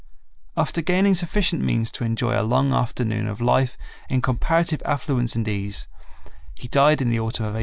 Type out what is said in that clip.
After gaining sufficient means to enjoy a long afternoon of life in comparative affluence and ease, he died in the autumn of 1876.